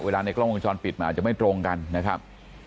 ในกล้องวงจรปิดมันอาจจะไม่ตรงกันนะครับ